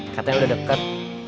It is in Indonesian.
katanya udah deket